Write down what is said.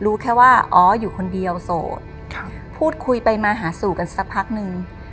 รู้แค่ว่าอ๋ออยู่คนเดียวโสดพูดคุยไปมาหาสู่กันสักพักนึง